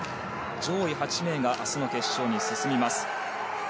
上位８名が明日の決勝に進みます。